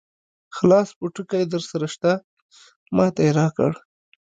خلاص پوټکی درسره شته؟ ما ته یې راکړ.